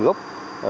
các hợp tác xã